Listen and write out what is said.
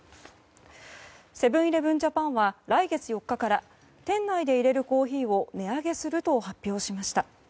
セブン‐イレブン・ジャパンは来月４日から店内でいれるコーヒーを値上げすると発表しました。